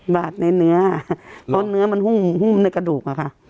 บาดในเนื้อเพราะเนื้อมันหุ้มในกระดูกอะค่ะ